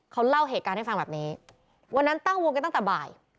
เขาเล่าเหตุการณ์ให้ฟังแบบนี้วันนั้นตั้งวงกันตั้งแต่บ่าย